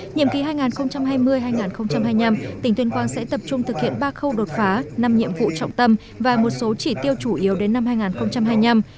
nhiệm kỳ hai nghìn hai mươi hai nghìn hai mươi năm tỉnh tuyên quang sẽ tập trung thực hiện ba khâu đột phá năm nhiệm vụ trọng tâm và một số chỉ tiêu chủ yếu đến năm hai nghìn hai mươi năm